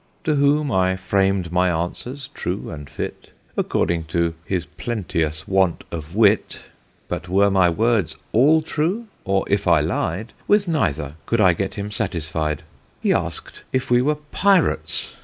To whom I fram'd my answers true and fit, (According to his plenteous want of wit) But were my words all true or if I ly'd With neither I could get him satisfi'd. He ask'd if we were Pyrats?